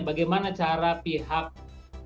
bagaimana cara pihak pelakunya